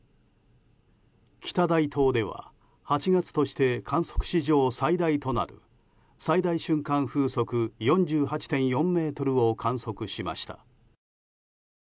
北大東では８月として観測史上最大となる最大瞬間風速４８．４メートルを観測しました。